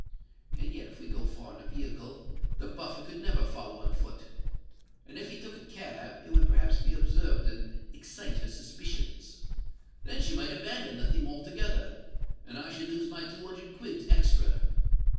And yet if we go far in a vehicle, the Buffer never could follow on foot; and if he took a cab, it would perhaps be observed and excite her suspicions. Then she might abandon the thing altogether; and I should lose my two hundred quids extra.